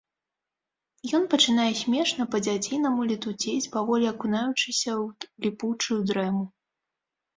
Ён пачынае смешна, па-дзяцінаму летуцець, паволі акунаючыся ў ліпучую дрэму.